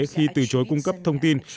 khi từ chối cung cấp thông tin